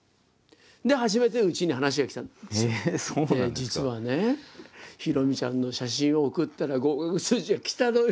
「実はねひろみちゃんの写真を送ったら合格通知が来たのよ」